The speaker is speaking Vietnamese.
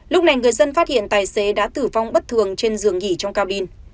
lúc này người dân phát hiện tài xế đã tử vong bất thường trên giường nghỉ trong ca bin